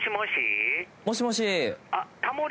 もしもし？